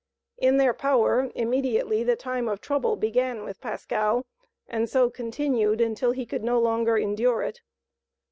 In their power, immediately the time of trouble began with Pascal, and so continued until he could no longer endure it.